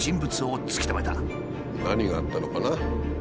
何があったのかな？